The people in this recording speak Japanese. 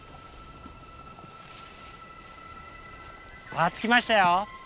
さあ着きましたよ。